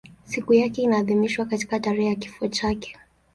Sikukuu yake inaadhimishwa katika tarehe ya kifo chake.